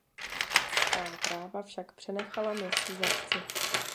Svá práva však přenechala městu Žatci.